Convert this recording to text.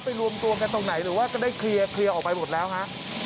รวมตัวกันตรงไหนหรือว่าก็ได้เคลียร์ออกไปหมดแล้วฮะ